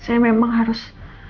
saya memang harus